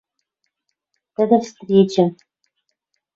Тӹдӹ встречӹм